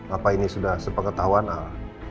apa ini sudah sepengetahuan al